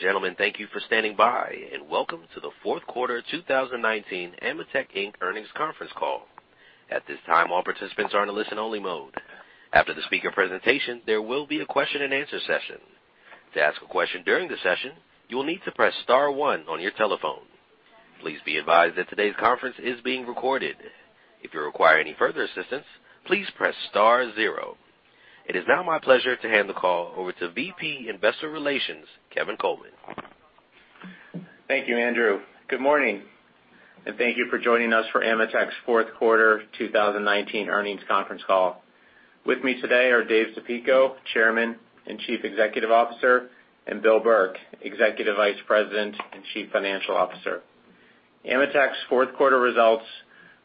Ladies and gentlemen, thank you for standing by, welcome to the Fourth Quarter 2019 AMETEK Inc. Earnings Conference Call. At this time, all participants are in a listen-only mode. After the speaker presentation, there will be a question and answer session. To ask a question during the session, you will need to press star one on your telephone. Please be advised that today's conference is being recorded. If you require any further assistance, please press star zero. It is now my pleasure to hand the call over to VP Investor Relations, Kevin Coleman. Thank you, Andrew. Good morning. Thank you for joining us for AMETEK's fourth quarter 2019 earnings conference call. With me today are Dave Zapico, Chairman and Chief Executive Officer, and Bill Burke, Executive Vice President and Chief Financial Officer. AMETEK's fourth quarter results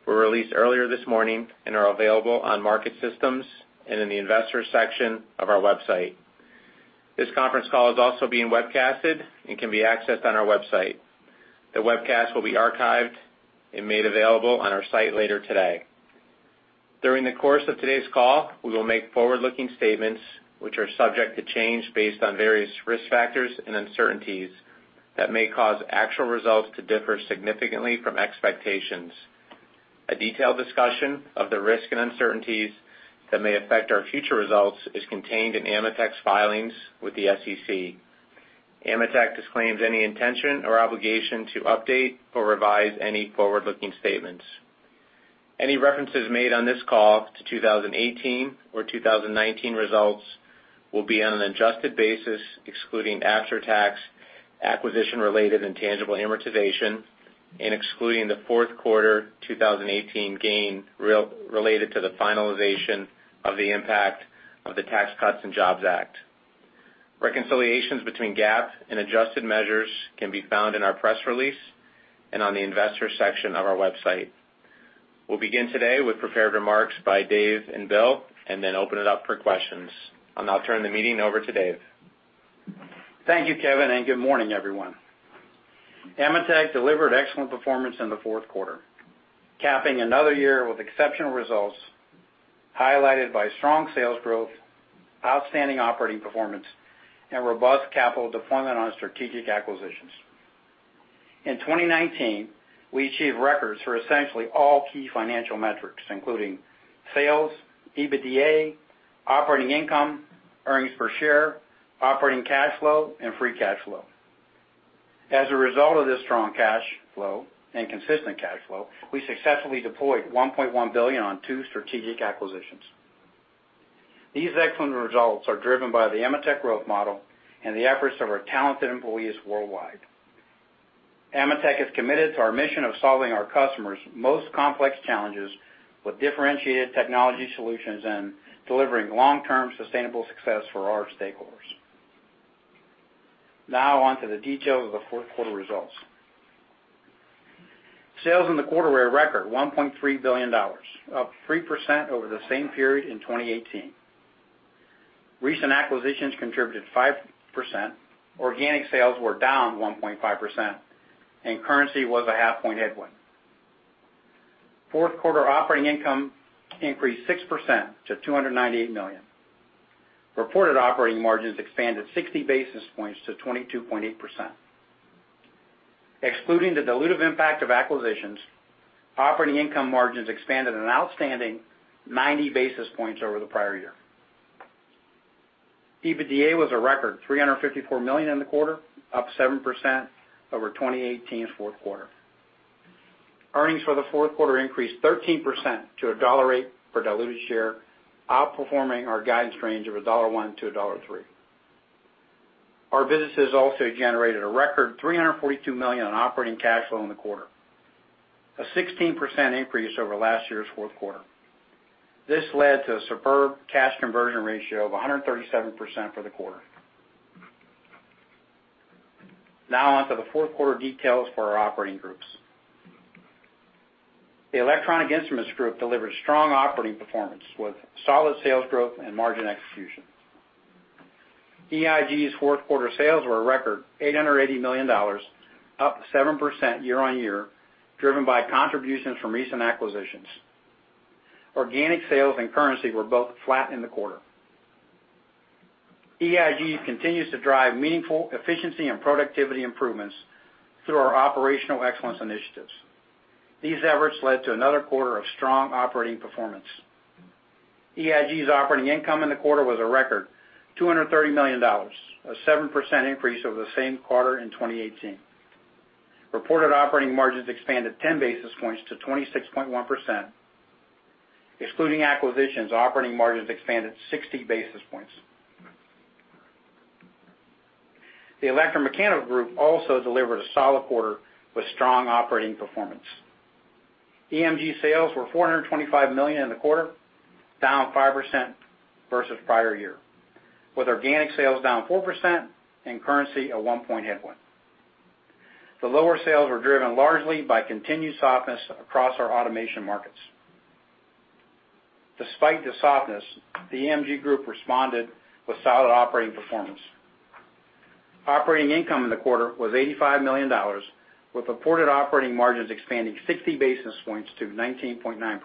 were released earlier this morning and are available on market systems and in the investors section of our website. This conference call is also being webcasted and can be accessed on our website. The webcast will be archived and made available on our site later today. During the course of today's call, we will make forward-looking statements which are subject to change based on various risk factors and uncertainties that may cause actual results to differ significantly from expectations. A detailed discussion of the risk and uncertainties that may affect our future results is contained in AMETEK's filings with the SEC. AMETEK disclaims any intention or obligation to update or revise any forward-looking statements. Any references made on this call to 2018 or 2019 results will be on an adjusted basis, excluding after-tax acquisition related intangible amortization and excluding the fourth quarter 2018 gain related to the finalization of the impact of the Tax Cuts and Jobs Act. Reconciliations between GAAP and adjusted measures can be found in our press release and on the investor section of our website. We'll begin today with prepared remarks by Dave and Bill and then open it up for questions. I'll now turn the meeting over to Dave. Thank you, Kevin. Good morning, everyone. AMETEK delivered excellent performance in the fourth quarter, capping another year with exceptional results highlighted by strong sales growth, outstanding operating performance, and robust capital deployment on strategic acquisitions. In 2019, we achieved records for essentially all key financial metrics, including sales, EBITDA, operating income, earnings per share, operating cash flow, and free cash flow. As a result of this strong cash flow and consistent cash flow, we successfully deployed $1.1 billion on two strategic acquisitions. These excellent results are driven by the AMETEK growth model and the efforts of our talented employees worldwide. AMETEK is committed to our mission of solving our customers' most complex challenges with differentiated technology solutions and delivering long-term sustainable success for our stakeholders. Now on to the details of the fourth quarter results. Sales in the quarter were a record $1.3 billion, up 3% over the same period in 2018. Recent acquisitions contributed 5%, organic sales were down 1.5%, currency was a half point headwind. Fourth quarter operating income increased 6% to $298 million. Reported operating margins expanded 60 basis points to 22.8%. Excluding the dilutive impact of acquisitions, operating income margins expanded an outstanding 90 basis points over the prior year. EBITDA was a record $354 million in the quarter, up 7% over 2018's fourth quarter. Earnings for the fourth quarter increased 13% to $1.00 for diluted share, outperforming our guidance range of $1-$3. Our businesses also generated a record $342 million in operating cash flow in the quarter, a 16% increase over last year's fourth quarter. This led to a superb cash conversion ratio of 137% for the quarter. Now on to the fourth quarter details for our operating groups. The Electronic Instruments Group delivered strong operating performance with solid sales growth and margin execution. EIG's fourth quarter sales were a record $880 million, up 7% year-on-year, driven by contributions from recent acquisitions. Organic sales and currency were both flat in the quarter. EIG continues to drive meaningful efficiency and productivity improvements through our operational excellence initiatives. These efforts led to another quarter of strong operating performance. EIG's operating income in the quarter was a record $230 million, a 7% increase over the same quarter in 2018. Reported operating margins expanded 10 basis points to 26.1%. Excluding acquisitions, operating margins expanded 60 basis points. The Electromechanical Group also delivered a solid quarter with strong operating performance. EMG sales were $425 million in the quarter, down 5% versus prior year, with organic sales down 4% and currency a one-point headwind. Despite the softness, the EMG group responded with solid operating performance. Operating income in the quarter was $85 million, with reported operating margins expanding 60 basis points to 19.9%.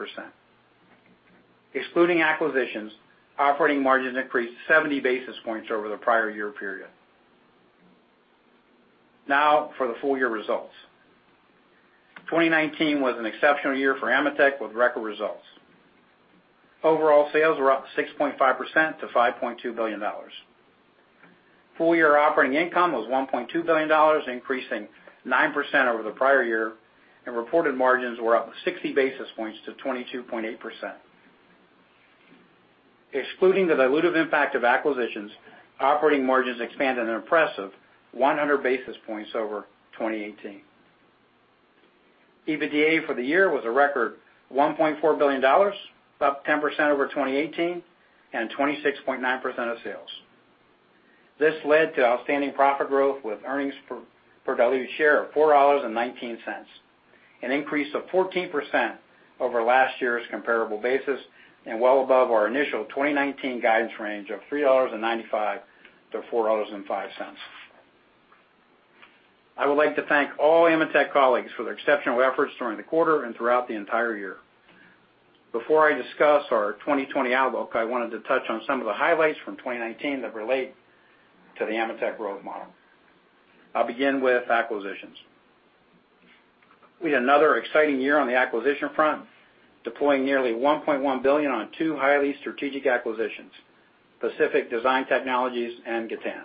Excluding acquisitions, operating margins increased 70 basis points over the prior year period. Now for the full year results. 2019 was an exceptional year for AMETEK with record results. Overall sales were up 6.5% to $5.2 billion. Full year operating income was $1.2 billion, increasing 9% over the prior year, and reported margins were up 60 basis points to 22.8%. Excluding the dilutive impact of acquisitions, operating margins expanded an impressive 100 basis points over 2018. EBITDA for the year was a record $1.4 billion, up 10% over 2018, and 26.9% of sales. This led to outstanding profit growth with earnings per diluted share of $4.19, an increase of 14% over last year's comparable basis, and well above our initial 2019 guidance range of $3.95 to $4.05. I would like to thank all AMETEK colleagues for their exceptional efforts during the quarter and throughout the entire year. Before I discuss our 2020 outlook, I wanted to touch on some of the highlights from 2019 that relate to the AMETEK growth model. I'll begin with acquisitions. We had another exciting year on the acquisition front, deploying nearly $1.1 billion on two highly strategic acquisitions, Pacific Design Technologies and Gatan.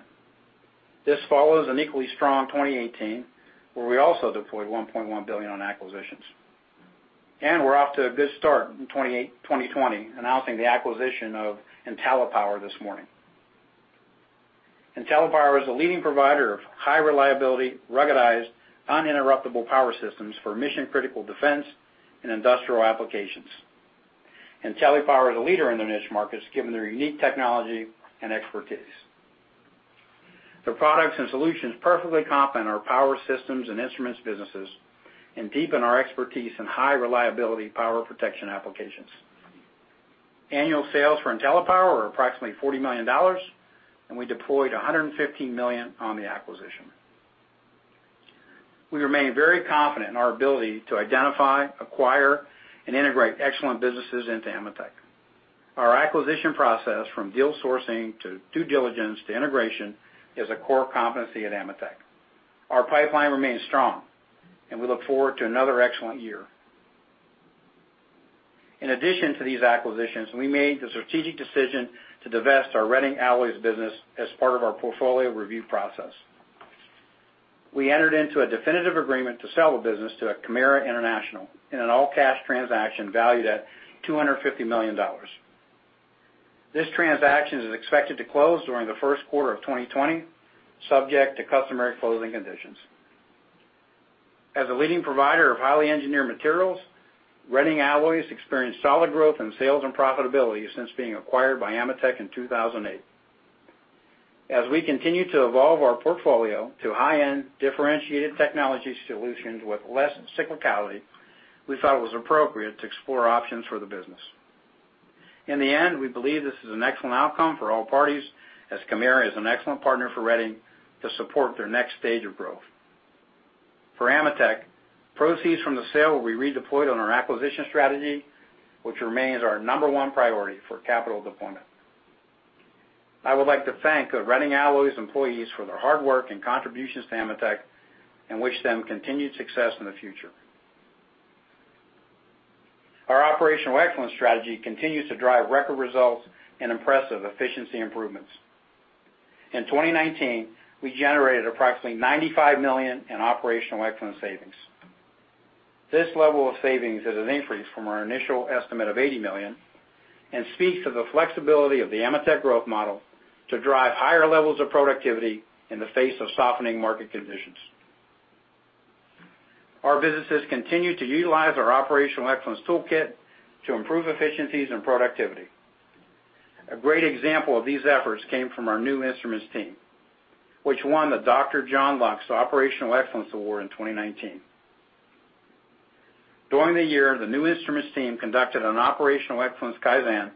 This follows an equally strong 2018, where we also deployed $1.1 billion on acquisitions. We're off to a good start in 2020, announcing the acquisition of IntelliPower this morning. IntelliPower is a leading provider of high reliability, ruggedized, uninterruptible power systems for mission-critical defense and industrial applications. IntelliPower is a leader in their niche markets, given their unique technology and expertise. Their products and solutions perfectly complement our power systems and instruments businesses, and deepen our expertise in high reliability power protection applications. Annual sales for IntelliPower are approximately $40 million, and we deployed $115 million on the acquisition. We remain very confident in our ability to identify, acquire, and integrate excellent businesses into AMETEK. Our acquisition process, from deal sourcing to due diligence to integration, is a core competency at AMETEK. Our pipeline remains strong, and we look forward to another excellent year. In addition to these acquisitions, we made the strategic decision to divest our Reading Alloys business as part of our portfolio review process. We entered into a definitive agreement to sell the business to Kymera International in an all-cash transaction valued at $250 million. This transaction is expected to close during the first quarter of 2020, subject to customary closing conditions. As a leading provider of highly engineered materials, Reading Alloys experienced solid growth in sales and profitability since being acquired by AMETEK in 2008. As we continue to evolve our portfolio to high-end, differentiated technology solutions with less cyclicality, we thought it was appropriate to explore options for the business. In the end, we believe this is an excellent outcome for all parties, as Kymera is an excellent partner for Reading to support their next stage of growth. For AMETEK, proceeds from the sale will be redeployed on our acquisition strategy, which remains our number one priority for capital deployment. I would like to thank the Reading Alloys employees for their hard work and contributions to AMETEK and wish them continued success in the future. Our Operational Excellence strategy continues to drive record results and impressive efficiency improvements. In 2019, we generated approximately $95 million in Operational Excellence savings. This level of savings is an increase from our initial estimate of $80 million and speaks to the flexibility of the AMETEK growth model to drive higher levels of productivity in the face of softening market conditions. Our businesses continue to utilize our Operational Excellence toolkit to improve efficiencies and productivity. A great example of these efforts came from our Nu Instruments team, which won the Dr. John Lux Operational Excellence Award in 2019. During the year, the Nu Instruments team conducted an operational excellence Kaizen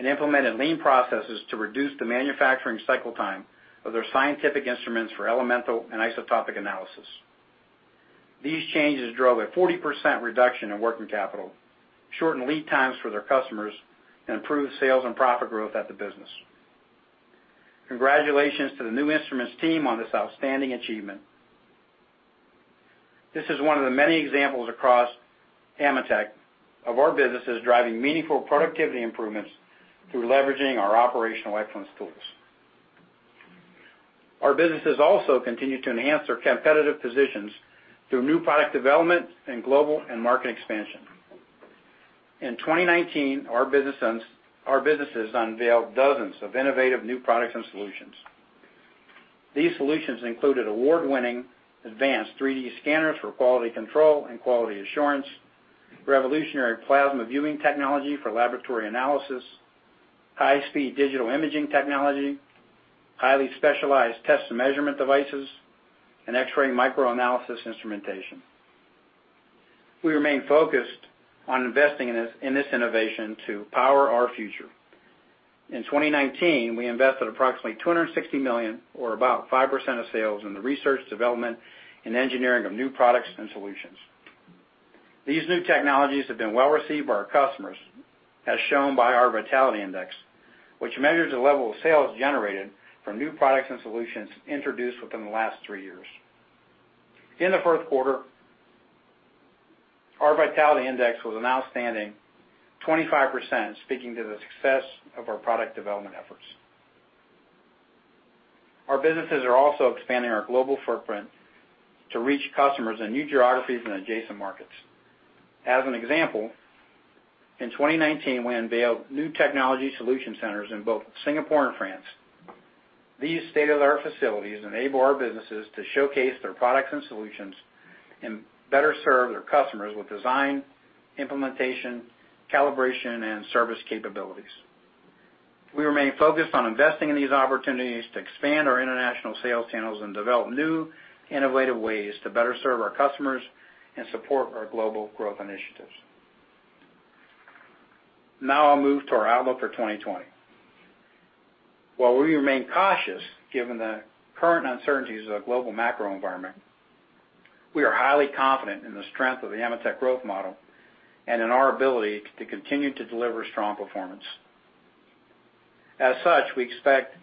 and implemented lean processes to reduce the manufacturing cycle time of their scientific instruments for elemental and isotopic analysis. These changes drove a 40% reduction in working capital, shortened lead times for their customers, and improved sales and profit growth at the business. Congratulations to the Nu Instruments team on this outstanding achievement. This is one of the many examples across AMETEK of our businesses driving meaningful productivity improvements through leveraging our operational excellence tools. Our businesses also continue to enhance their competitive positions through new product development and global and market expansion. In 2019, our businesses unveiled dozens of innovative new products and solutions. These solutions included award-winning advanced 3D scanners for quality control and quality assurance, revolutionary plasma viewing technology for laboratory analysis, high-speed digital imaging technology, highly specialized test and measurement devices, and X-ray microanalysis instrumentation. We remain focused on investing in this innovation to power our future. In 2019, we invested approximately $260 million or about 5% of sales in the research, development, and engineering of new products and solutions. These new technologies have been well-received by our customers, as shown by our Vitality Index, which measures the level of sales generated from new products and solutions introduced within the last three years. In the first quarter, our Vitality Index was an outstanding 25%, speaking to the success of our product development efforts. Our businesses are also expanding our global footprint to reach customers in new geographies and adjacent markets. As an example, in 2019, we unveiled new technology solution centers in both Singapore and France. These state-of-the-art facilities enable our businesses to showcase their products and solutions and better serve their customers with design, implementation, calibration, and service capabilities. We remain focused on investing in these opportunities to expand our international sales channels and develop new, innovative ways to better serve our customers and support our global growth initiatives. I'll move to our outlook for 2020. While we remain cautious given the current uncertainties of the global macro environment, we are highly confident in the strength of the AMETEK growth model and in our ability to continue to deliver strong performance. We expect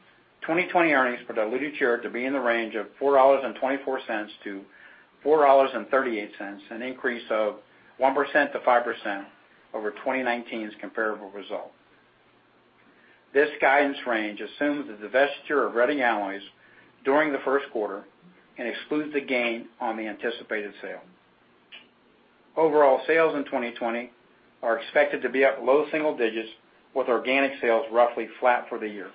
2020 earnings per diluted share to be in the range of $4.24-$4.38, an increase of 1%-5% over 2019's comparable result. This guidance range assumes the divestiture of Reading Alloys during the first quarter and excludes the gain on the anticipated sale. Overall sales in 2020 are expected to be up low single digits with organic sales roughly flat for the year.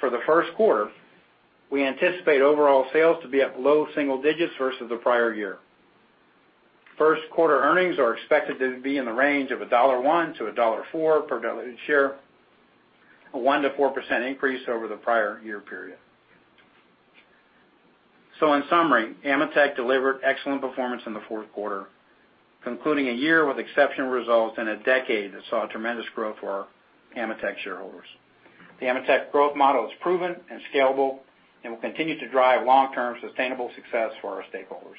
For the first quarter, we anticipate overall sales to be up low single digits versus the prior year. First quarter earnings are expected to be in the range of $1-$4 per diluted share, a 1%-4% increase over the prior year period. In summary, AMETEK delivered excellent performance in the fourth quarter, concluding a year with exceptional results and a decade that saw tremendous growth for our AMETEK shareholders. The AMETEK growth model is proven and scalable and will continue to drive long-term sustainable success for our stakeholders.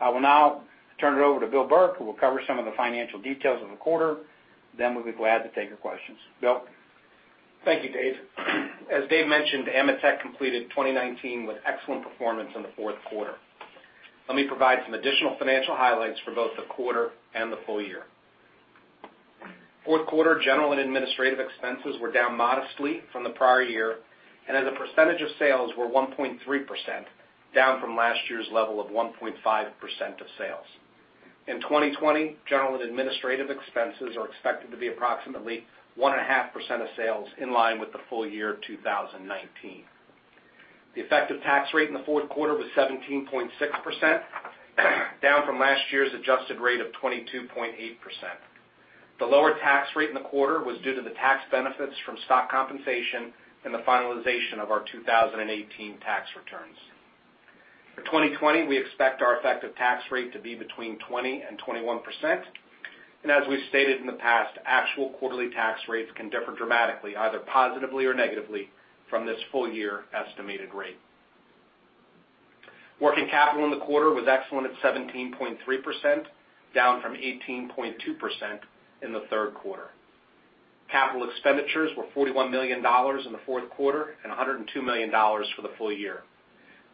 I will now turn it over to Bill Burke, who will cover some of the financial details of the quarter. We'll be glad to take your questions. Bill? Thank you, Dave. As Dave mentioned, AMETEK completed 2019 with excellent performance in the fourth quarter. Let me provide some additional financial highlights for both the quarter and the full year. Fourth quarter general and administrative expenses were down modestly from the prior year, and as a percentage of sales, were 1.3%, down from last year's level of 1.5% of sales. In 2020, general and administrative expenses are expected to be approximately 1.5% of sales, in line with the full year 2019. The effective tax rate in the fourth quarter was 17.6%, down from last year's adjusted rate of 22.8%. The lower tax rate in the quarter was due to the tax benefits from stock compensation and the finalization of our 2018 tax returns. For 2020, we expect our effective tax rate to be between 20% and 21%. As we've stated in the past, actual quarterly tax rates can differ dramatically, either positively or negatively, from this full-year estimated rate. Working capital in the quarter was excellent at 17.3%, down from 18.2% in the third quarter. Capital expenditures were $41 million in the fourth quarter and $102 million for the full year.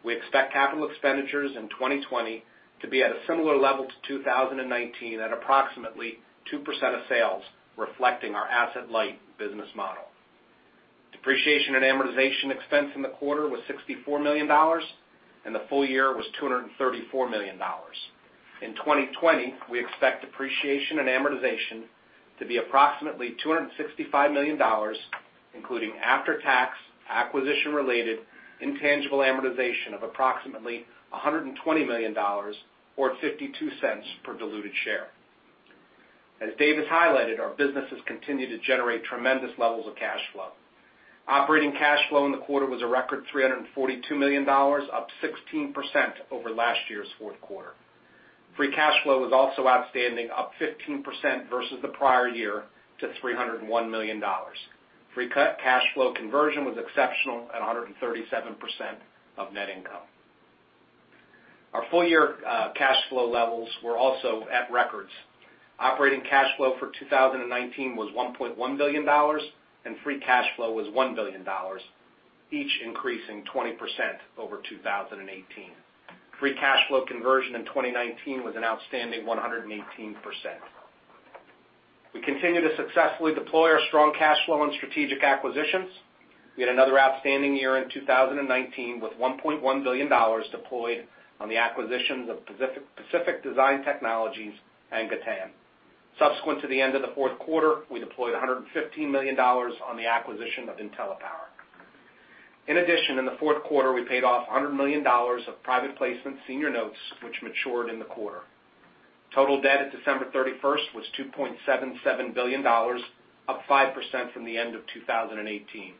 We expect capital expenditures in 2020 to be at a similar level to 2019 at approximately 2% of sales, reflecting our asset-light business model. Depreciation and amortization expense in the quarter was $64 million, and the full year was $234 million. In 2020, we expect depreciation and amortization to be approximately $265 million, including after-tax, acquisition-related intangible amortization of approximately $120 million or $0.52 per diluted share. As Dave has highlighted, our businesses continue to generate tremendous levels of cash flow. Operating cash flow in the quarter was a record $342 million, up 16% over last year's fourth quarter. Free cash flow was also outstanding, up 15% versus the prior year to $301 million. Free cash flow conversion was exceptional at 137% of net income. Our full-year cash flow levels were also at records. Operating cash flow for 2019 was $1.1 billion, and free cash flow was $1 billion, each increasing 20% over 2018. Free cash flow conversion in 2019 was an outstanding 118%. We continue to successfully deploy our strong cash flow and strategic acquisitions. We had another outstanding year in 2019 with $1.1 billion deployed on the acquisitions of Pacific Design Technologies and Gatan. Subsequent to the end of the fourth quarter, we deployed $115 million on the acquisition of IntelliPower. In addition, in the fourth quarter, we paid off $100 million of private placement senior notes, which matured in the quarter. Total debt at December 31st was $2.77 billion, up 5% from the end of 2018.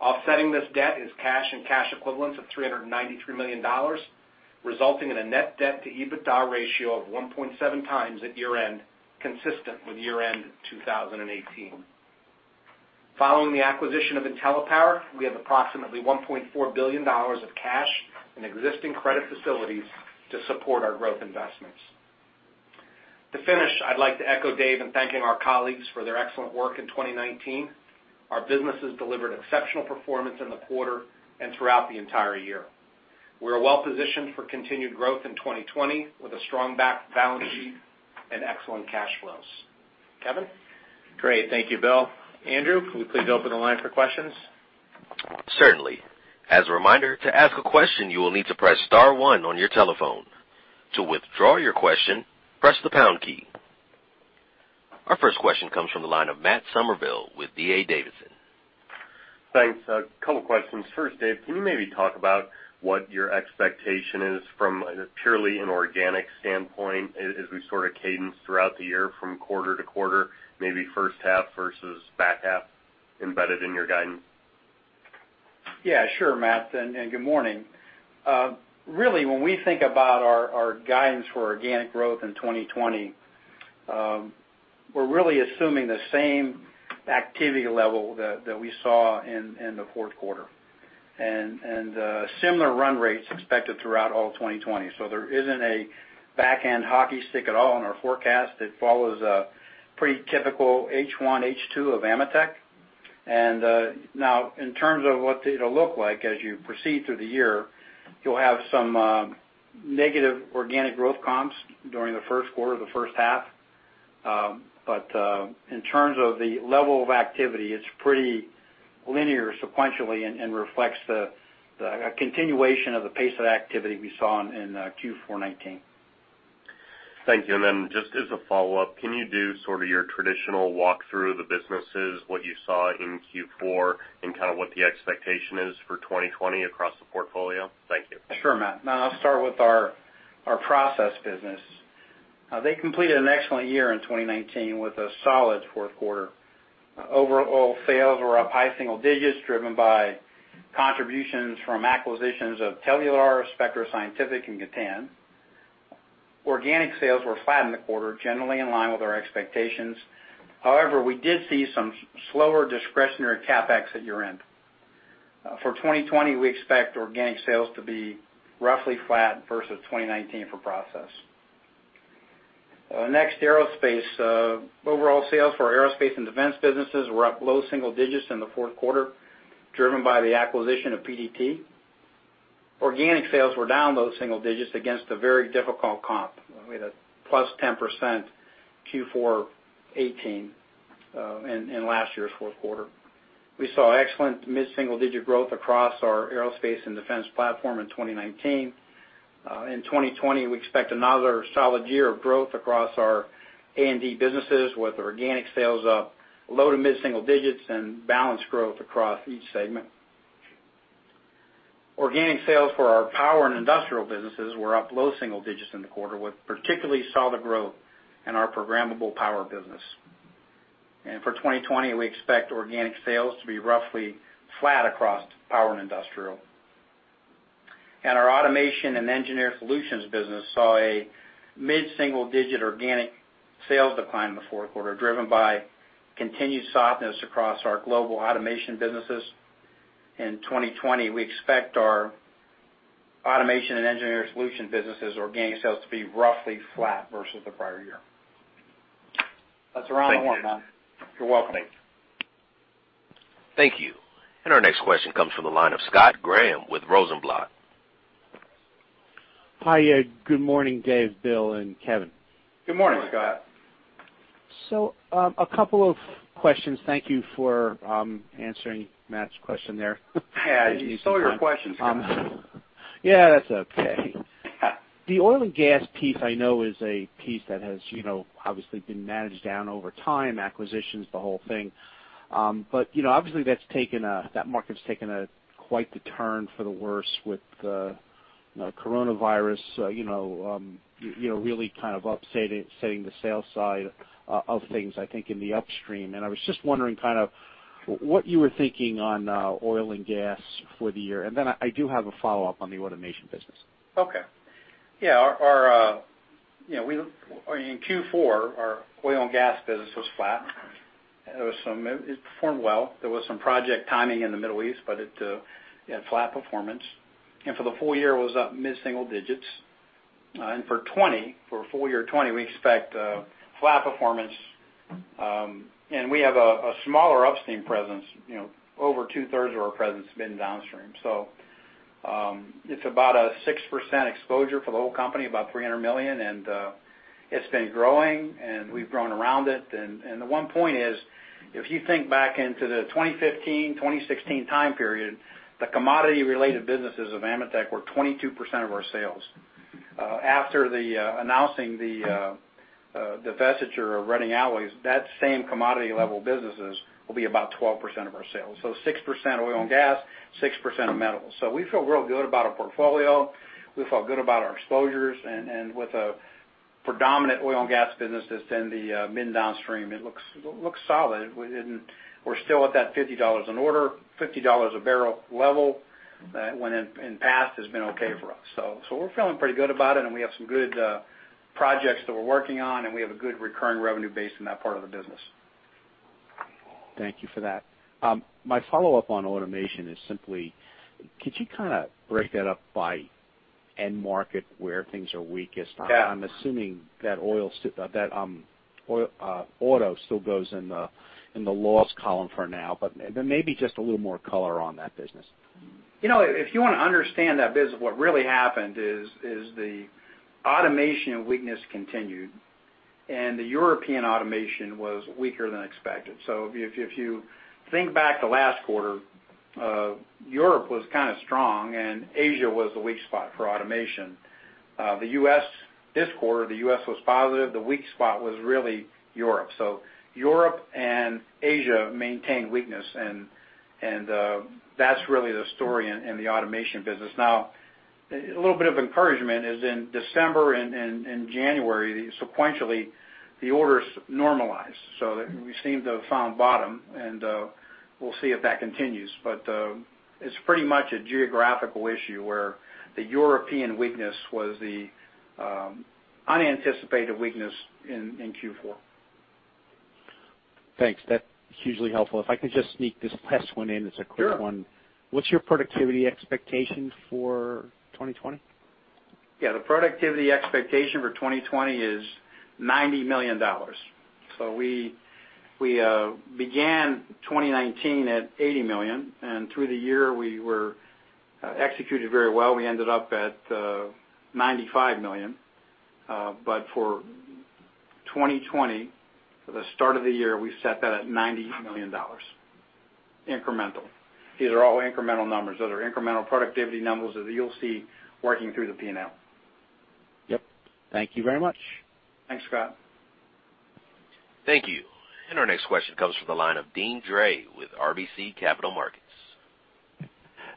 Offsetting this debt is cash and cash equivalents of $393 million, resulting in a net debt to EBITDA ratio of 1.7x at year-end, consistent with year-end 2018. Following the acquisition of IntelliPower, we have approximately $1.4 billion of cash in existing credit facilities to support our growth investments. To finish, I'd like to echo Dave in thanking our colleagues for their excellent work in 2019. Our businesses delivered exceptional performance in the quarter and throughout the entire year. We are well-positioned for continued growth in 2020 with a strong back balance sheet and excellent cash flows. Kevin? Great. Thank you, Bill. Andrew, could we please open the line for questions? Certainly. As a reminder, to ask a question, you will need to press star one on your telephone. To withdraw your question, press the pound key. Our first question comes from the line of Matt Summerville with D.A. Davidson. Thanks. A couple questions. First, Dave, can you maybe talk about what your expectation is from purely an organic standpoint as we sort of cadence throughout the year from quarter to quarter, maybe first half versus back half embedded in your guidance? Yeah, sure, Matt, good morning. Really, when we think about our guidance for organic growth in 2020, we're really assuming the same activity level that we saw in the fourth quarter, similar run rates expected throughout all of 2020. There isn't a back-end hockey stick at all in our forecast. It follows a pretty typical H1, H2 of AMETEK. Now in terms of what it'll look like as you proceed through the year, you'll have some negative organic growth comps during the first quarter or the first half. In terms of the level of activity, it's pretty linear sequentially and reflects the continuation of the pace of activity we saw in Q4 2019. Thank you. Just as a follow-up, can you do sort of your traditional walk through of the businesses, what you saw in Q4, and kind of what the expectation is for 2020 across the portfolio? Thank you. Sure, Matt. I'll start with our process business. They completed an excellent year in 2019 with a solid fourth quarter. Overall sales were up high single digits, driven by contributions from acquisitions of Telular, Spectro Scientific, and Gatan. Organic sales were flat in the quarter, generally in line with our expectations. However, we did see some slower discretionary CapEx at year-end. For 2020, we expect organic sales to be roughly flat versus 2019 for process. Next, aerospace. Overall sales for our aerospace and defense businesses were up low single digits in the fourth quarter, driven by the acquisition of PDT. Organic sales were down low single digits against a very difficult comp. We had a +10% Q4 2018 in last year's fourth quarter. We saw excellent mid-single-digit growth across our aerospace and defense platform in 2019. In 2020, we expect another solid year of growth across our A&D businesses, with organic sales up low to mid-single digits and balanced growth across each segment. Organic sales for our power and industrial businesses were up low single digits in the quarter, with particularly solid growth in our programmable power business. For 2020, we expect organic sales to be roughly flat across power and industrial. Our automation and engineered solutions business saw a mid-single-digit organic sales decline in the fourth quarter, driven by continued softness across our global automation businesses. In 2020, we expect our automation and engineered solution businesses organic sales to be roughly flat versus the prior year. That's a round of one, Matt. Thank you. You're welcome. Thanks. Thank you. Our next question comes from the line of Scott Graham with Rosenblatt. Hi. Good morning, Dave, Bill, and Kevin. Good morning, Scott. A couple of questions. Thank you for answering Matt's question there. Yeah. You stole your questions, kind of. Yeah, that's okay. The oil and gas piece I know is a piece that has obviously been managed down over time, acquisitions, the whole thing. Obviously that market's taken a quite the turn for the worse with the coronavirus really kind of upsetting the sales side of things, I think, in the upstream, and I was just wondering kind of what you were thinking on oil and gas for the year. I do have a follow-up on the automation business. Okay. Yeah. In Q4, our oil and gas business was flat. It performed well. There was some project timing in the Middle East, but it had flat performance. For the full year, it was up mid-single digits. For full year 2020, we expect flat performance. We have a smaller upstream presence. Over 2/3 of our presence has been downstream. It's about a 6% exposure for the whole company, about $300 million, and it's been growing, and we've grown around it. The one point is, if you think back into the 2015, 2016 time period, the commodity-related businesses of AMETEK were 22% of our sales. After announcing the divestiture of Reading Alloys, that same commodity level businesses will be about 12% of our sales. 6% oil and gas, 6% metals. We feel real good about our portfolio. We felt good about our exposures and with a predominant oil and gas business that's in the mid downstream, it looks solid. We're still at that $50 and over, $50 a barrel level, that when in past has been okay for us. We're feeling pretty good about it, and we have some good projects that we're working on, and we have a good recurring revenue base in that part of the business. Thank you for that. My follow-up on automation is simply, could you kind of break that up by end market where things are weakest? Yeah. I'm assuming that auto still goes in the loss column for now, but maybe just a little more color on that business. If you want to understand that business, what really happened is the automation weakness continued, and the European automation was weaker than expected. If you think back to last quarter, Europe was kind of strong and Asia was the weak spot for automation. This quarter, the U.S. was positive. The weak spot was really Europe. Europe and Asia maintained weakness and that's really the story in the automation business. Now, a little bit of encouragement is in December and January, sequentially, the orders normalized. We seem to have found bottom and we'll see if that continues. It's pretty much a geographical issue where the European weakness was the unanticipated weakness in Q4. Thanks. That's hugely helpful. If I could just sneak this last one in. It's a quick one. Sure. What's your productivity expectation for 2020? Yeah, the productivity expectation for 2020 is $90 million. We began 2019 at $80 million, and through the year, we were executed very well. We ended up at $95 million. For 2020, for the start of the year, we set that at $90 million incremental. These are all incremental numbers. Those are incremental productivity numbers that you'll see working through the P&L. Yep. Thank you very much. Thanks, Scott. Thank you. Our next question comes from the line of Deane Dray with RBC Capital Markets.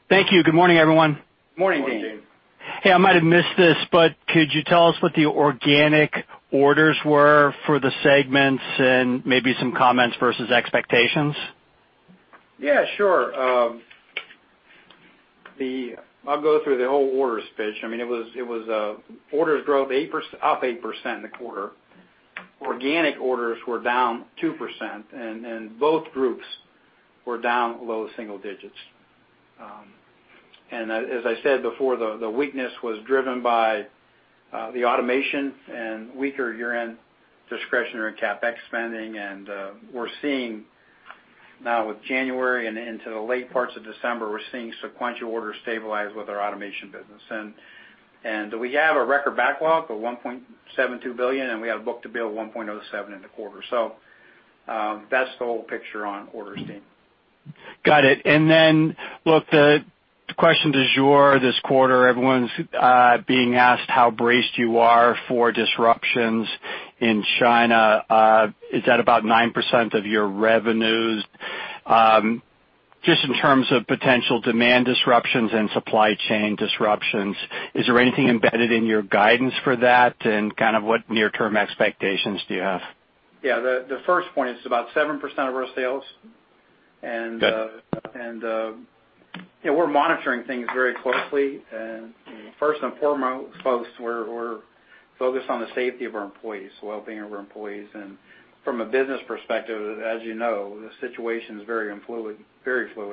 Thank you. Good morning, everyone. Morning, Deane. Morning, Deane. Hey, I might have missed this, but could you tell us what the organic orders were for the segments and maybe some comments versus expectations? Yeah, sure. I'll go through the whole orders pitch. Orders drove up 8% in the quarter. Organic orders were down 2%, both groups were down low single digits. As I said before, the weakness was driven by the automation and weaker year-end discretionary CapEx spending, we're seeing now with January and into the late parts of December, we're seeing sequential orders stabilize with our automation business. We have a record backlog of $1.72 billion, we have book to bill 1.07 in the quarter. That's the whole picture on orders, Deane. Got it. Look, the question du jour this quarter, everyone's being asked how braced you are for disruptions in China. Is that about 9% of your revenues? Just in terms of potential demand disruptions and supply chain disruptions, is there anything embedded in your guidance for that? What near-term expectations do you have? Yeah, the first point is about 7% of our sales. Got it. We're monitoring things very closely. First and foremost, folks, we're focused on the safety of our employees, wellbeing of our employees. From a business perspective, as you know, the situation's very fluid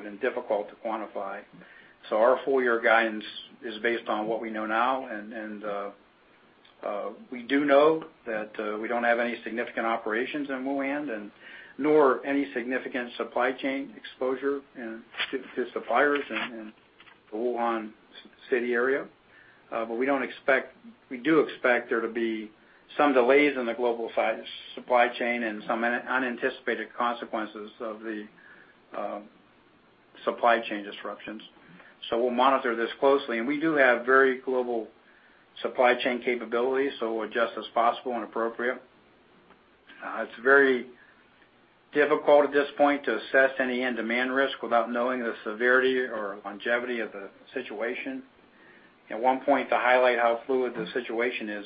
and difficult to quantify. Our full-year guidance is based on what we know now, and we do know that we don't have any significant operations in Wuhan and nor any significant supply chain exposure to suppliers in the Wuhan city area. We do expect there to be some delays in the global supply chain and some unanticipated consequences of the supply chain disruptions. We'll monitor this closely, and we do have very global supply chain capabilities, so we'll adjust as possible and appropriate. It's very difficult at this point to assess any end demand risk without knowing the severity or longevity of the situation. At one point, to highlight how fluid the situation is,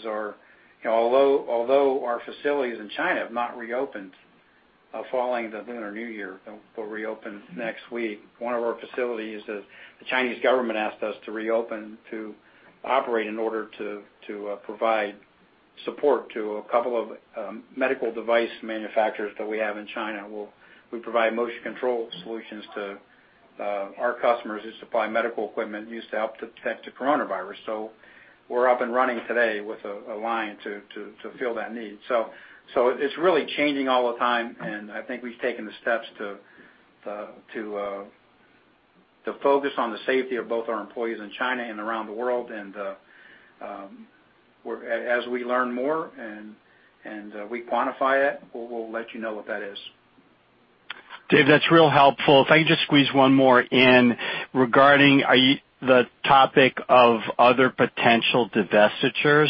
although our facilities in China have not reopened following the Lunar New Year, they'll reopen next week. One of our facilities, the Chinese government asked us to reopen to operate in order to provide support to a couple of medical device manufacturers that we have in China. We provide motion control solutions to our customers who supply medical equipment used to help detect the coronavirus. We're up and running today with a line to fill that need. It's really changing all the time, and I think we've taken the steps to focus on the safety of both our employees in China and around the world. As we learn more and we quantify it, we'll let you know what that is. Dave, that's real helpful. If I could just squeeze one more in regarding the topic of other potential divestitures.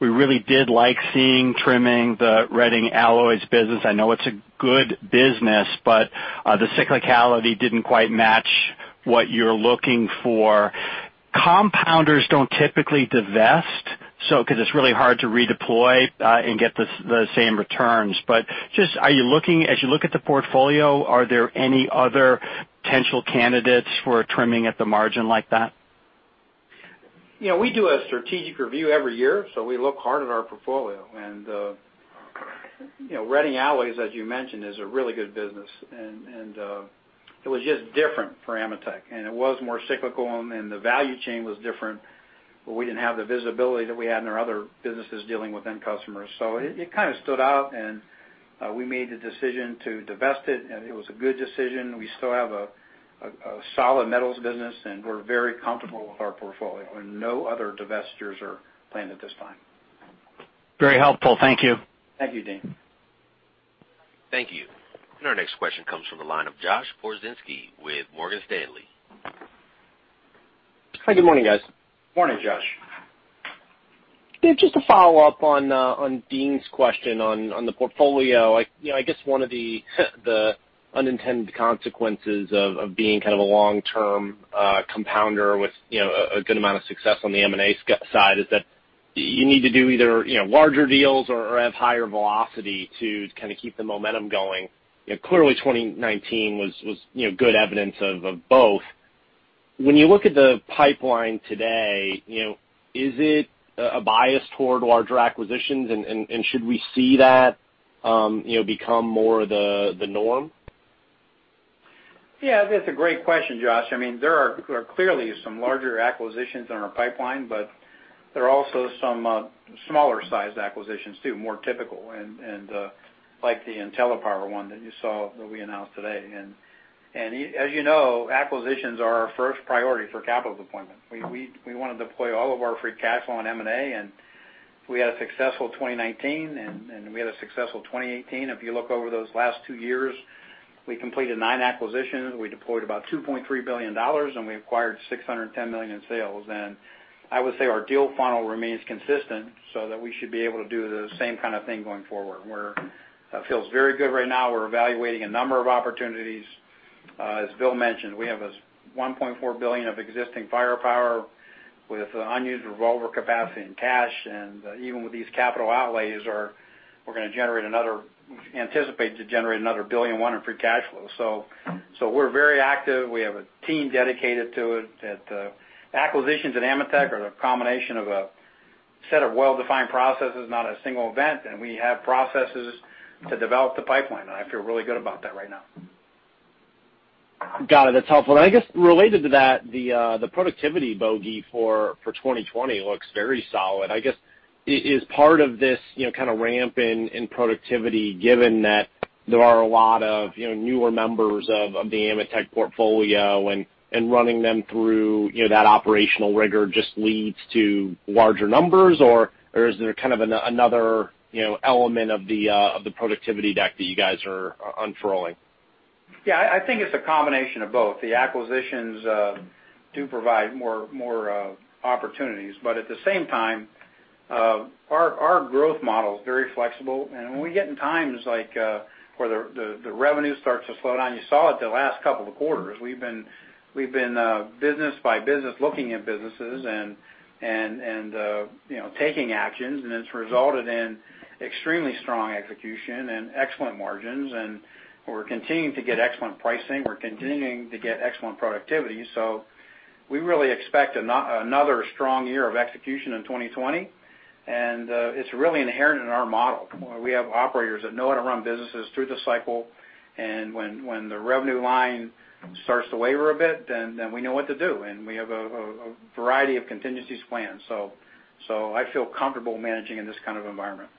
We really did like seeing trimming the Reading Alloys business. I know it's a good business, but the cyclicality didn't quite match what you're looking for. Compounders don't typically divest, because it's really hard to redeploy and get the same returns. As you look at the portfolio, are there any other potential candidates for trimming at the margin like that? We do a strategic review every year, we look hard at our portfolio. Reading Alloys, as you mentioned, is a really good business, it was just different for AMETEK, it was more cyclical and the value chain was different, we didn't have the visibility that we had in our other businesses dealing with end customers. It kind of stood out, we made the decision to divest it was a good decision. We still have a solid metals business, we're very comfortable with our portfolio, no other divestitures are planned at this time. Very helpful. Thank you. Thank you, Deane. Thank you. Our next question comes from the line of Josh Pokrzywinski with Morgan Stanley. Hi, good morning, guys. Morning, Josh. Dave, just to follow up on Deane's question on the portfolio. I guess one of the unintended consequences of being kind of a long-term compounder with a good amount of success on the M&A side is that you need to do either larger deals or have higher velocity to kind of keep the momentum going. Clearly, 2019 was good evidence of both. When you look at the pipeline today, is it a bias toward larger acquisitions? Should we see that become more the norm? Yeah, that's a great question, Josh. There are clearly some larger acquisitions in our pipeline, but there are also some smaller sized acquisitions too, more typical, and like the IntelliPower one that you saw that we announced today. As you know, acquisitions are our first priority for capital deployment. We want to deploy all of our free cash flow on M&A, and we had a successful 2019, and we had a successful 2018. If you look over those last two years, we completed nine acquisitions, we deployed about $2.3 billion, and we acquired $610 million in sales. I would say our deal funnel remains consistent so that we should be able to do the same kind of thing going forward. Where it feels very good right now. We're evaluating a number of opportunities. As Bill mentioned, we have $1.4 billion of existing firepower with unused revolver capacity and cash. Even with these capital outlays, we anticipate to generate another $1.1 billion in free cash flow. We're very active. We have a team dedicated to it. Acquisitions at AMETEK are the combination of a set of well-defined processes, not a single event. We have processes to develop the pipeline. I feel really good about that right now. Got it. That's helpful. I guess related to that, the productivity bogey for 2020 looks very solid. I guess, is part of this kind of ramp in productivity given that there are a lot of newer members of the AMETEK portfolio and running them through that operational rigor just leads to larger numbers, or is there kind of another element of the productivity deck that you guys are unfurling? Yeah, I think it's a combination of both. The acquisitions do provide more opportunities. At the same time, our growth model is very flexible. When we get in times like where the revenue starts to slow down, you saw it the last couple of quarters. We've been business by business looking at businesses and taking actions, and it's resulted in extremely strong execution and excellent margins. We're continuing to get excellent pricing, we're continuing to get excellent productivity. We really expect another strong year of execution in 2020. It's really inherent in our model. We have operators that know how to run businesses through the cycle. When the revenue line starts to waver a bit, then we know what to do, and we have a variety of contingency plans. I feel comfortable managing in this kind of environment.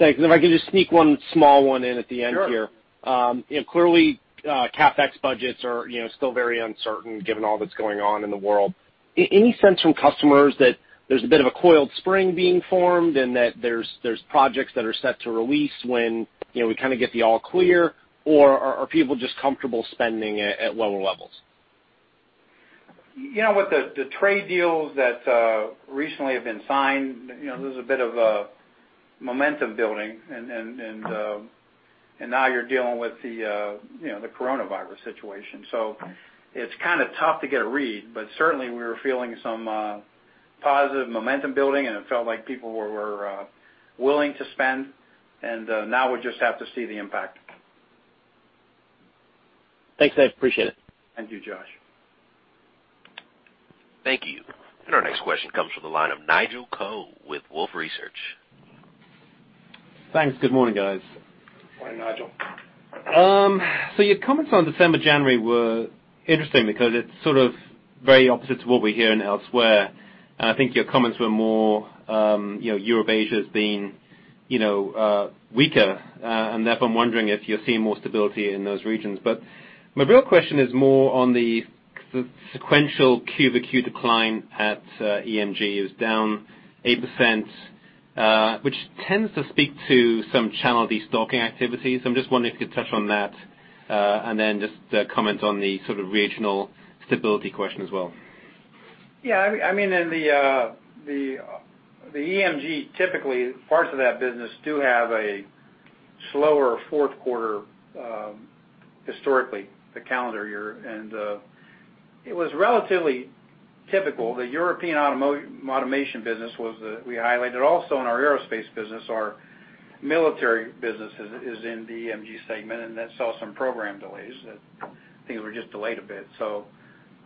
Thanks. If I could just sneak one small one in at the end here. Sure. Clearly, CapEx budgets are still very uncertain given all that's going on in the world. Any sense from customers that there's a bit of a coiled spring being formed and that there's projects that are set to release when we kind of get the all clear, or are people just comfortable spending at lower levels? With the trade deals that recently have been signed, there's a bit of a momentum building, and now you're dealing with the coronavirus situation. It's kind of tough to get a read, but certainly we were feeling some positive momentum building, and it felt like people were willing to spend. Now we just have to see the impact. Thanks, Dave, appreciate it. Thank you, Josh. Thank you. Our next question comes from the line of Nigel Coe with Wolfe Research. Thanks. Good morning, guys. Morning, Nigel. Your comments on December, January were interesting because it's sort of very opposite to what we're hearing elsewhere. I think your comments were more Europe, Asia as being weaker, and therefore I'm wondering if you're seeing more stability in those regions. My real question is more on the sequential QoQ decline at EMG is down 8%. Which tends to speak to some channel destocking activities. I'm just wondering if you could touch on that, and then just comment on the sort of regional stability question as well. Yeah. In the EMG, typically, parts of that business do have a slower fourth quarter historically, the calendar year. It was relatively typical. The European automation business we highlighted. Also in our aerospace business, our military business is in the EMG segment, and that saw some program delays that things were just delayed a bit.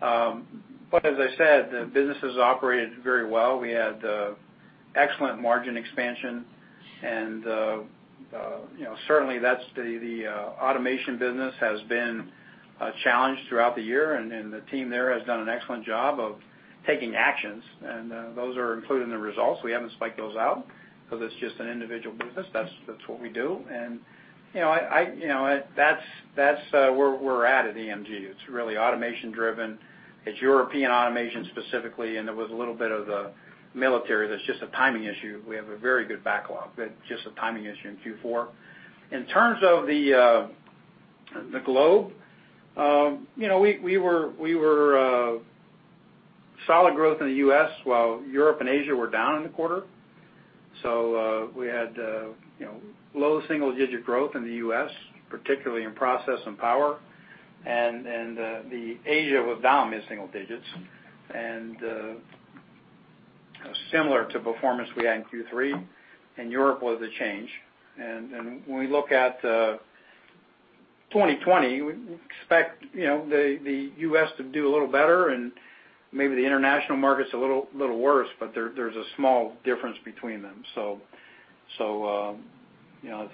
As I said, the businesses operated very well. We had excellent margin expansion and certainly, the automation business has been challenged throughout the year, and the team there has done an excellent job of taking actions, and those are included in the results. We haven't spiked those out because it's just an individual business. That's what we do. That's where we're at in EMG. It's really automation driven. It's European automation specifically, and there was a little bit of the military that's just a timing issue. We have a very good backlog, but just a timing issue in Q4. In terms of the globe, we were solid growth in the U.S., while Europe and Asia were down in the quarter. We had low single-digit growth in the U.S., particularly in process and power, and the Asia was down mid-single digits, and similar to performance we had in Q3. Europe was a change. When we look at 2020, we expect the U.S. to do a little better and maybe the international market's a little worse, but there's a small difference between them. As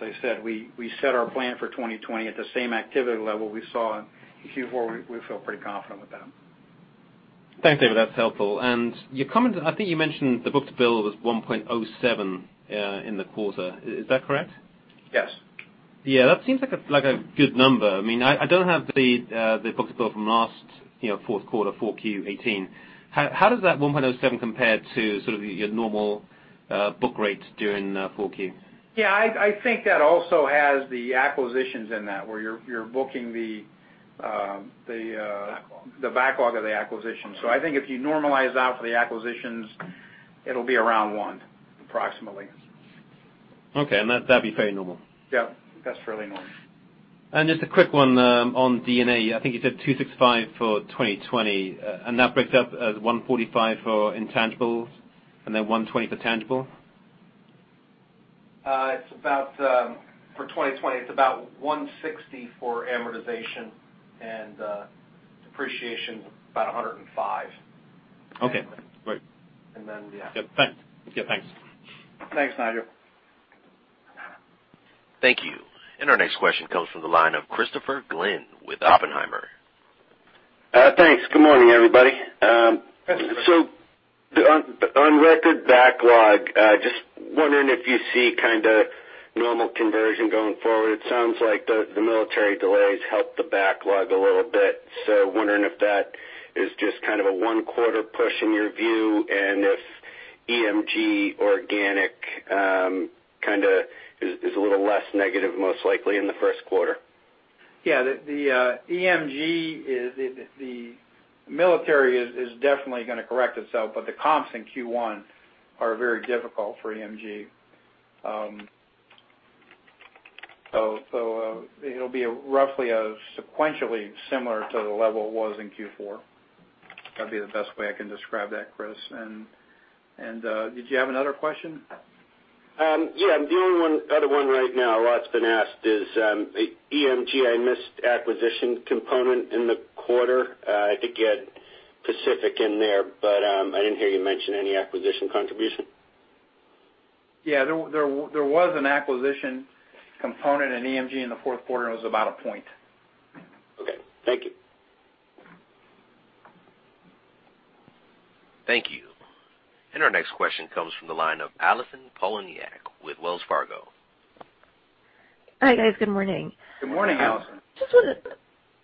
I said, we set our plan for 2020 at the same activity level we saw in Q4. We feel pretty confident with that. Thanks, David. That's helpful. I think you mentioned the book-to-bill was 1.07 in the quarter. Is that correct? Yes. Yeah. That seems like a good number. I don't have the book-to-bill from last fourth quarter, Q4 2018. How does that 1.07 compare to sort of your normal book rate during Q4? Yeah. I think that also has the acquisitions in that, where you're booking the- Backlog. The backlog of the acquisition. I think if you normalize out for the acquisitions, it'll be around one approximately. Okay. That'd be fairly normal? Yeah, that's fairly normal. Just a quick one on D&A. I think you said $265 for 2020, and that breaks up as $145 for intangibles and then $120 for tangibles? For 2020, it's about $160 for amortization, and depreciation, about $105. Okay. Great. Yeah. Yep. Thanks. Thanks, Nigel. Thank you. Our next question comes from the line of Christopher Glynn with Oppenheimer. Thanks. Good morning, everybody. Christopher. On record backlog, just wondering if you see kind of normal conversion going forward. It sounds like the military delays helped the backlog a little bit. Wondering if that is just kind of a one-quarter push in your view, and if EMG organic kind of is a little less negative, most likely in the first quarter. The military is definitely going to correct itself, but the comps in Q1 are very difficult for EMG. It'll be roughly sequentially similar to the level it was in Q4. That'd be the best way I can describe that, Chris. Did you have another question? Yeah. The only one other one right now, a lot's been asked, is EMG, I missed acquisition component in the quarter. I think you had Pacific in there, but I didn't hear you mention any acquisition contribution. Yeah. There was an acquisition component in EMG in the fourth quarter, and it was about a point. Okay. Thank you. Thank you. Our next question comes from the line of Allison Poliniak with Wells Fargo. Hi, guys. Good morning. Good morning, Allison.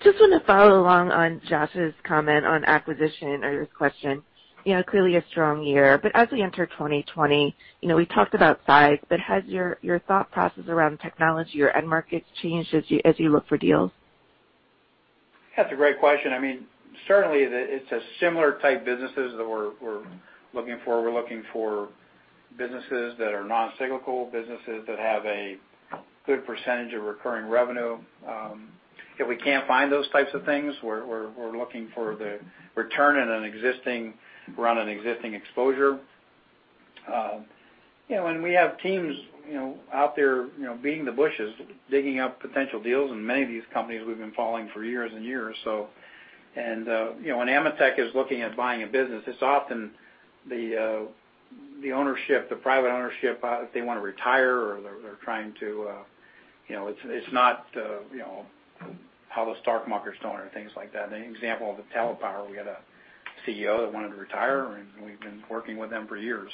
Just want to follow along on Josh's comment on acquisition or his question. Clearly a strong year, but as we enter 2020, we talked about size, but has your thought process around technology or end markets changed as you look for deals? That's a great question. Certainly, it's similar type businesses that we're looking for. We're looking for businesses that are non-cyclical, businesses that have a good percentage of recurring revenue. If we can't find those types of things, we're looking for the return around an existing exposure. We have teams out there beating the bushes, digging up potential deals. Many of these companies we've been following for years and years. When AMETEK is looking at buying a business, it's often the private ownership, if they want to retire or they're trying to, it's not how the stock market's doing or things like that. An example of the IntelliPower, we had a CEO that wanted to retire, and we've been working with them for years.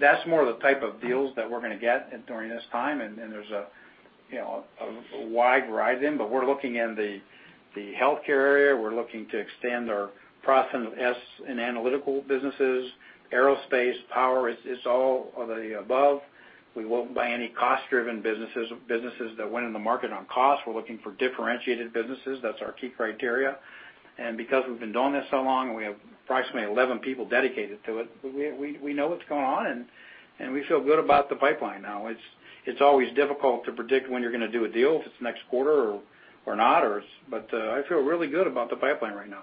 That's more the type of deals that we're going to get during this time. There's a wide variety, but we're looking in the healthcare area. We're looking to extend our process and analytical businesses. Aerospace, power, it's all of the above. We won't buy any cost-driven businesses that win in the market on cost. We're looking for differentiated businesses. That's our key criteria. Because we've been doing this so long, and we have approximately 11 people dedicated to it, we know what's going on, and we feel good about the pipeline now. It's always difficult to predict when you're going to do a deal, if it's next quarter or not, but I feel really good about the pipeline right now.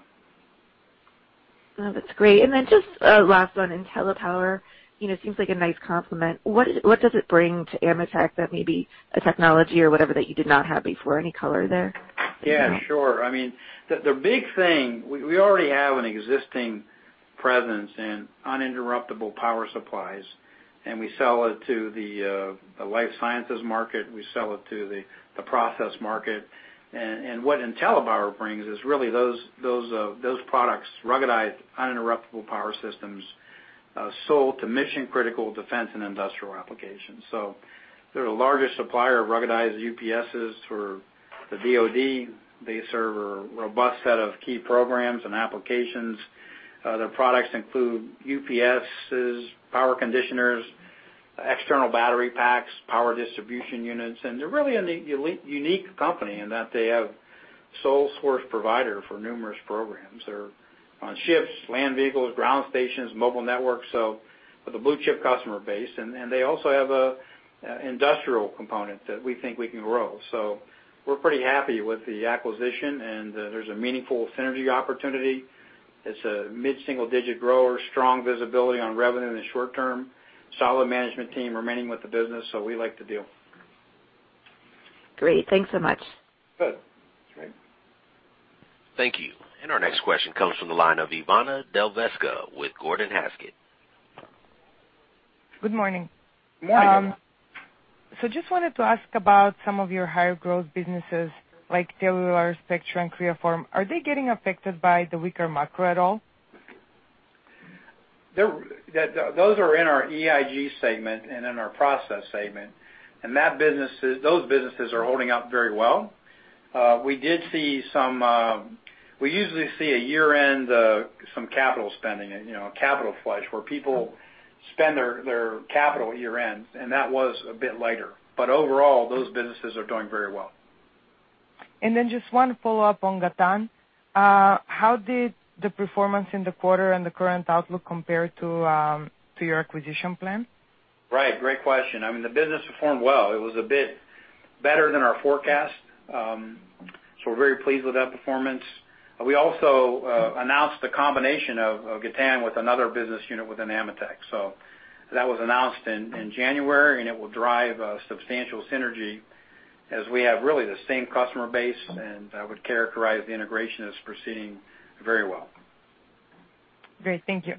That's great. Then just last one, IntelliPower. Seems like a nice complement. What does it bring to AMETEK that maybe a technology or whatever that you did not have before? Any color there? The big thing, we already have an existing presence in uninterruptible power supplies, and we sell it to the life sciences market. What IntelliPower brings is really those products, ruggedized uninterruptible power systems, sold to mission-critical defense and industrial applications. They're the largest supplier of ruggedized UPSs for the DOD. They serve a robust set of key programs and applications. Their products include UPSs, power conditioners, external battery packs, power distribution units, and they're really a unique company in that they have sole source provider for numerous programs. They're on ships, land vehicles, ground stations, mobile networks, with a blue-chip customer base. They also have an industrial component that we think we can grow. We're pretty happy with the acquisition, and there's a meaningful synergy opportunity. It's a mid-single-digit grower, strong visibility on revenue in the short term, solid management team remaining with the business. We like the deal. Great. Thanks so much. Good. That's right. Thank you. Our next question comes from the line of Ivana Delevska with Gordon Haskett. Good morning. Good morning. Just wanted to ask about some of your higher growth businesses, like Telular, Spectro Scientific and Creaform. Are they getting affected by the weaker macro at all? Those are in our EIG segment and in our process segment, and those businesses are holding up very well. We usually see a year-end, some capital spending, a capital flush where people spend their capital at year-end, and that was a bit lighter. Overall, those businesses are doing very well. Just one follow-up on Gatan. How did the performance in the quarter and the current outlook compare to your acquisition plan? Right. Great question. The business performed well. It was a bit better than our forecast. We're very pleased with that performance. We also announced the combination of Gatan with another business unit within AMETEK. That was announced in January, and it will drive a substantial synergy as we have really the same customer base, and I would characterize the integration as proceeding very well. Great. Thank you.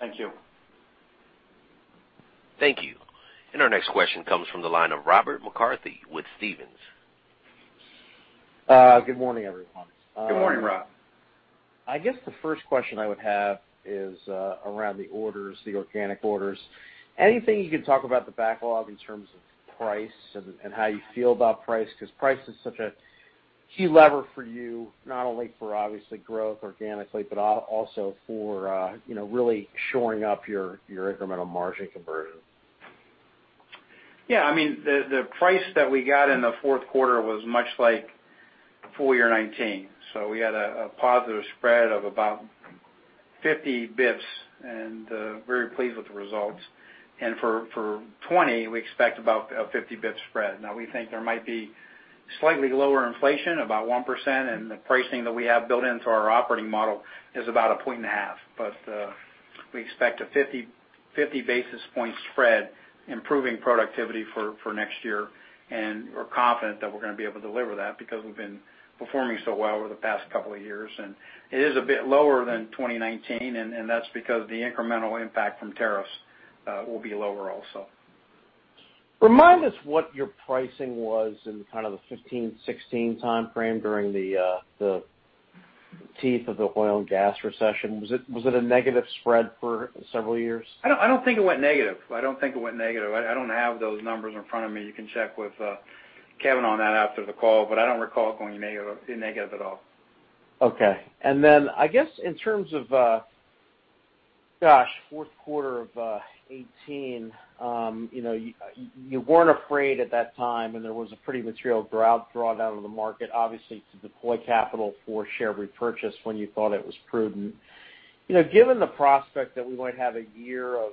Thank you. Thank you. Our next question comes from the line of Robert McCarthy with Stephens. Good morning, everyone. Good morning, Rob. I guess the first question I would have is around the orders, the organic orders. Anything you can talk about the backlog in terms of price and how you feel about price? Because price is such a key lever for you, not only for obviously growth organically, but also for really shoring up your incremental margin conversion. The price that we got in the fourth quarter was much like full year 2019. We had a positive spread of about 50 basis points, and very pleased with the results. For 2020, we expect about a 50 basis point spread. We think there might be slightly lower inflation, about 1%, and the pricing that we have built into our operating model is about a point and a half. We expect a 50 basis point spread, improving productivity for next year. We're confident that we're going to be able to deliver that because we've been performing so well over the past couple of years. It is a bit lower than 2019, and that's because the incremental impact from tariffs will be lower also. Remind us what your pricing was in kind of the 2015, 2016 time frame during the teeth of the oil and gas recession? Was it a negative spread for several years? I don't think it went negative. I don't have those numbers in front of me. You can check with Kevin on that after the call, but I don't recall it going negative at all. Okay. I guess in terms of, gosh, fourth quarter of 2018, you weren't afraid at that time, and there was a pretty material drawdown of the market, obviously, to deploy capital for share repurchase when you thought it was prudent. Given the prospect that we might have a year of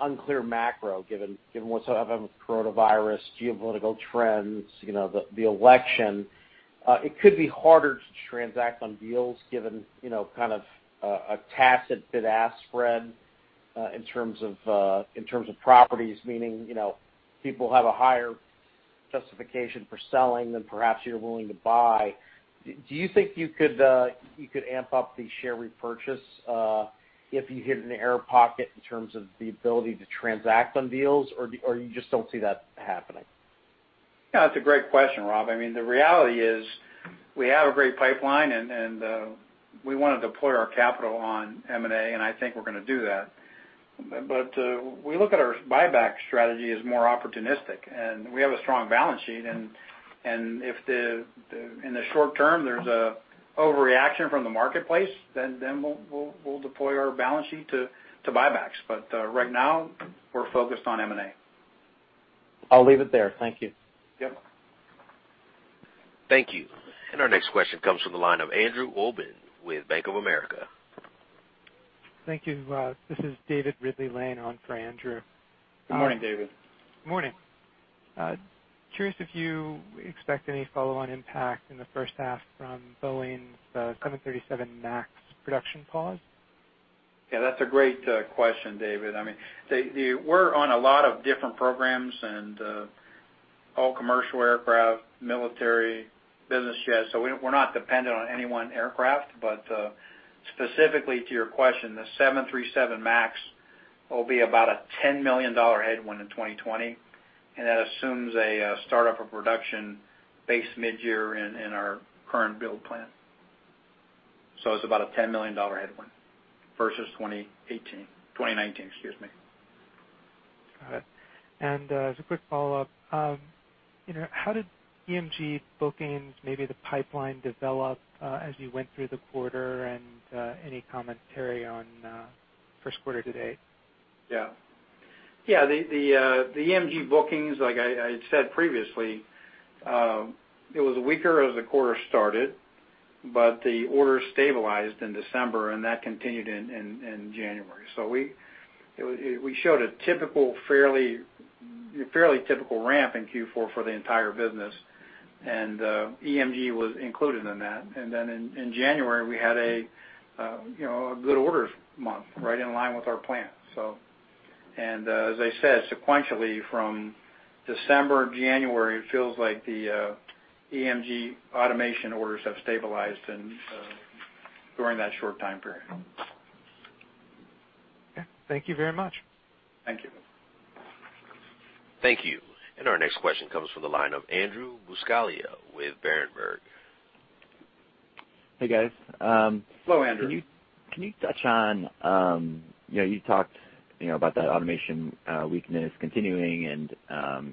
unclear macro, given what's happening with coronavirus, geopolitical trends, the election, it could be harder to transact on deals given kind of a tacit bid-ask spread in terms of properties, meaning people have a higher justification for selling than perhaps you're willing to buy. Do you think you could amp up the share repurchase if you hit an air pocket in terms of the ability to transact on deals, or you just don't see that happening? That's a great question, Rob. The reality is we have a great pipeline, and we want to deploy our capital on M&A, and I think we're going to do that. We look at our buyback strategy as more opportunistic, and we have a strong balance sheet. If in the short term, there's an overreaction from the marketplace, we'll deploy our balance sheet to buybacks. Right now, we're focused on M&A. I'll leave it there. Thank you. Yep. Thank you. Our next question comes from the line of Andrew Obin with Bank of America. Thank you. This is David Ridley-Lane on for Andrew. Good morning, David. Morning. Curious if you expect any follow-on impact in the first half from Boeing's 737 MAX production pause? Yeah, that's a great question, David. We're on a lot of different programs and all commercial aircraft, military, business jets, so we're not dependent on any one aircraft. Specifically to your question, the 737 MAX will be about a $10 million headwind in 2020, and that assumes a startup of production base mid-year in our current build plan. It's about a $10 million headwind versus 2018. 2019, excuse me. Got it. As a quick follow-up, how did EMG bookings, maybe the pipeline develop, as you went through the quarter, and any commentary on first quarter to date? Yeah. The EMG bookings, like I had said previously, it was weaker as the quarter started, but the orders stabilized in December, and that continued in January. We showed a fairly typical ramp in Q4 for the entire business, and EMG was included in that. In January, we had a good orders month, right in line with our plan. As I said, sequentially from December, January, it feels like the EMG automation orders have stabilized during that short time period. Okay. Thank you very much. Thank you. Thank you. Our next question comes from the line of Andrew Buscaglia with Berenberg. Hey, guys. Hello, Andrew. Can you touch on, you talked about that automation weakness continuing and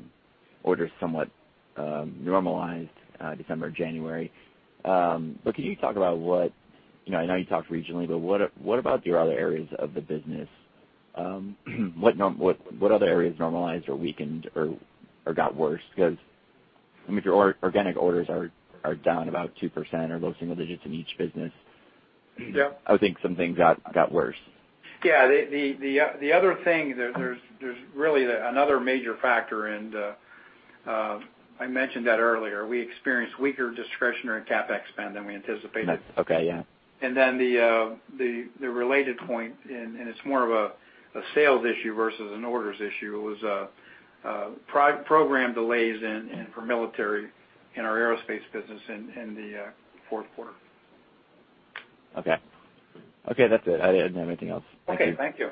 orders somewhat normalized December, January. Can you talk about what, I know you talked regionally, but what about your other areas of the business? What other areas normalized or weakened or got worse? Because if your organic orders are down about 2% or low single digits in each business- Yeah. I would think something got worse. Yeah, the other thing, there's really another major factor, and I mentioned that earlier. We experienced weaker discretionary CapEx spend than we anticipated. Okay, yeah. The related point, and it's more of a sales issue versus an orders issue, was program delays for military in our aerospace business in the fourth quarter. Okay. Okay, that's it. I didn't have anything else. Thank you. Okay, thank you.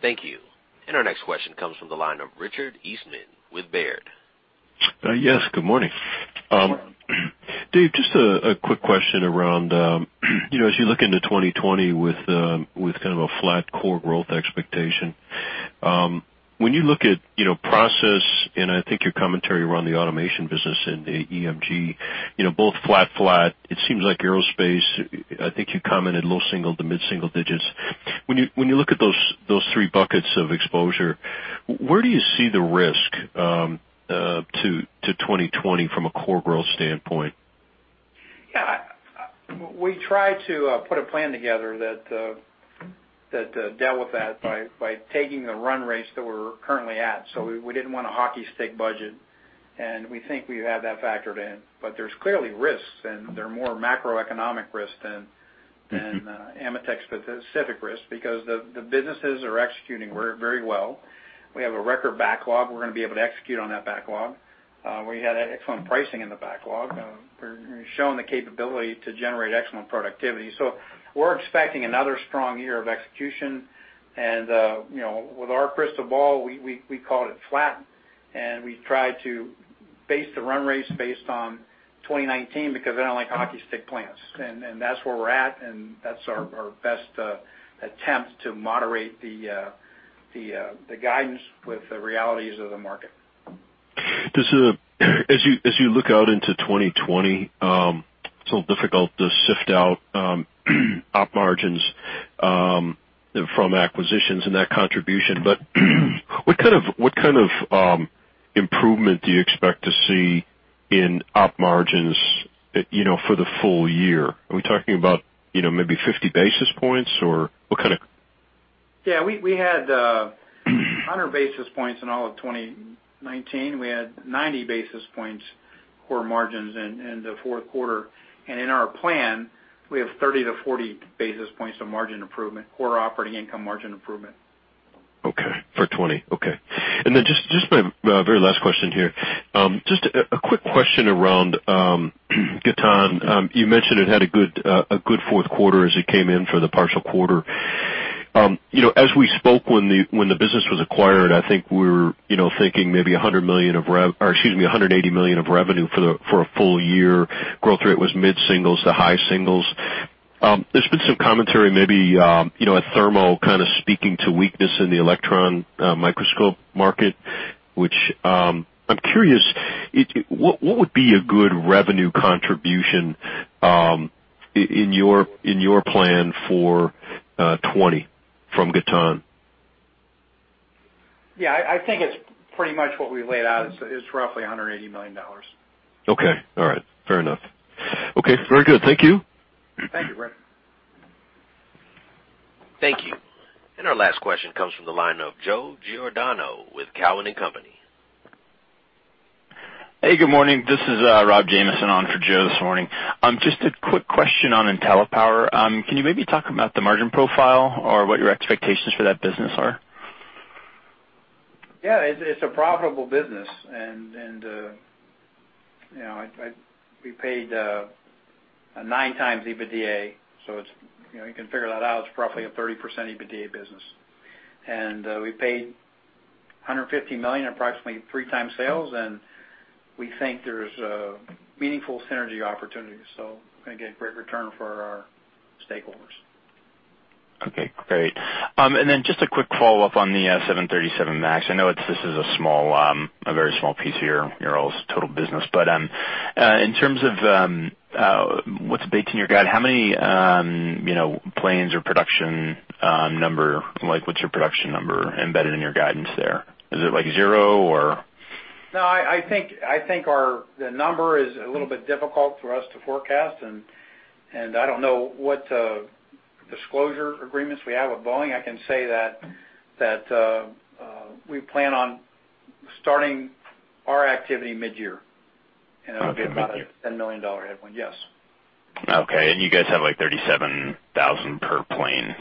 Thank you. Our next question comes from the line of Richard Eastman with Baird. Yes, good morning. Good morning. Dave, just a quick question around, as you look into 2020 with kind of a flat core growth expectation. When you look at process, and I think your commentary around the automation business and the EMG, both flat. It seems like aerospace, I think you commented low single to mid-single digits. When you look at those three buckets of exposure, where do you see the risk to 2020 from a core growth standpoint? Yeah. We tried to put a plan together that dealt with that by taking the run rates that we're currently at. We didn't want a hockey stick budget, and we think we have that factored in. There's clearly risks, and they're more macroeconomic risks than AMETEK-specific risks because the businesses are executing very well. We have a record backlog. We're going to be able to execute on that backlog. We had excellent pricing in the backlog. We're showing the capability to generate excellent productivity. We're expecting another strong year of execution. With our crystal ball, we called it flat, and we tried to base the run rates based on 2019 because I don't like hockey stick plans. That's where we're at, and that's our best attempt to moderate the guidance with the realities of the market. As you look out into 2020, it's a little difficult to sift out op margins from acquisitions and that contribution, but what kind of improvement do you expect to see in op margins for the full year? Are we talking about maybe 50 basis points, or what kind of Yeah, we had 100 basis points in all of 2019. We had 90 basis points core margins in the fourth quarter. In our plan, we have 30-40 basis points of margin improvement, core operating income margin improvement. Okay. For 2020. Okay. Just my very last question here. Just a quick question around Gatan. You mentioned it had a good fourth quarter as it came in for the partial quarter. As we spoke when the business was acquired, I think we were thinking maybe $180 million of revenue for a full year. Growth rate was mid-singles to high singles. There's been some commentary, maybe at Thermo, kind of speaking to weakness in the electron microscope market, which I'm curious, what would be a good revenue contribution in your plan for 2020 from Gatan? Yeah. I think it's pretty much what we laid out, is roughly $180 million. Okay. All right. Fair enough. Okay, very good. Thank you. Thank you, Rich. Thank you. Our last question comes from the line of Joe Giordano with Cowen and Company. Hey, good morning. This is Rob Jamieson on for Joe this morning. Just a quick question on IntelliPower. Can you maybe talk about the margin profile or what your expectations for that business are? Yeah. It's a profitable business, and we paid a 9x EBITDA, so you can figure that out. It's roughly a 30% EBITDA business. We paid $150 million, approximately 3x sales, and we think there's a meaningful synergy opportunity. Again, great return for our stakeholders. Okay, great. Just a quick follow-up on the 737 MAX. I know this is a very small piece of your total business, but in terms of what's baked in your guide, how many planes or production number, what's your production number embedded in your guidance there? Is it zero, or? I think the number is a little bit difficult for us to forecast, and I don't know what disclosure agreements we have with Boeing. I can say that we plan on starting our activity mid-year, and it'll be about a $10 million headwind. Yes. Okay. You guys have $37,000 per plane,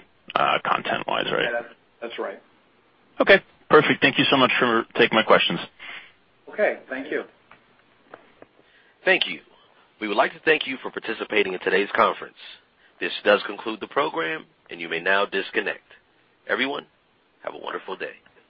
content wise, right? That's right. Okay, perfect. Thank you so much for taking my questions. Okay. Thank you. Thank you. We would like to thank you for participating in today's conference. This does conclude the program, and you may now disconnect. Everyone, have a wonderful day.